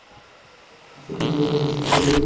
সত্যি, শুরুতেই তার সাথে রাগারাগি করেছি।